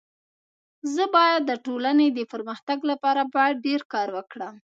زه بايد د ټولني د پرمختګ لپاره باید ډير کار وکړم.